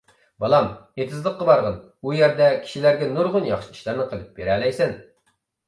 بالام، ئېتىزلىققا بارغىن، ئۇ يەردە كىشىلەرگە نۇرغۇن ياخشى ئىشلارنى قىلىپ بېرەلەيسەن!